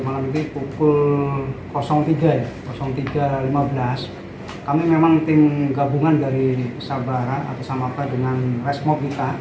malam ini pukul tiga lima belas kami memang tim gabungan dari sabara atau sama apa dengan resmobita